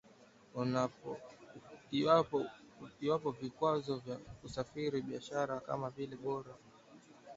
iwapo vikwazo vya kusafiri na biashara kama vile dola hamsini ya viza vimeondolewa